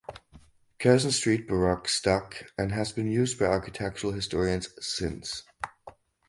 Curzon Street Baroque stuck and has been used by architectural historians since.